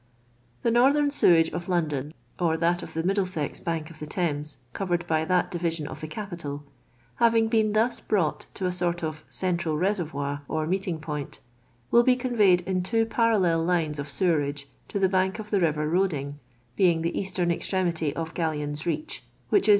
The northern sewage of London (or that of the Middlesex bank of the Thames, covered by that division of the capital) having been thus brought to a sort of central reservoir, or meeting point, will be conveyed in two parallel lines of sewerage to the bank of the river Roding, being the eastern extremity of Gallion's Reach (which is below Woolwich Reach), in the Thames.